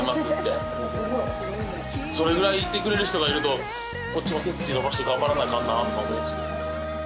それぐらい言ってくれる人がいるとこっちも背筋伸ばして頑張らないかんなとか思うんです。